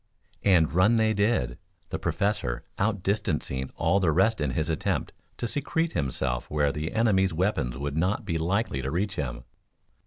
And run they did, the Professor outdistancing all the rest in his attempt to secrete himself where the enemy's weapons would not be likely to reach him.